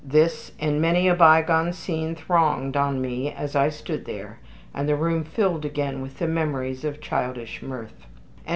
This and many a bygone scene thronged on me as I stood there, and the room filled again with the memories of childish mirth.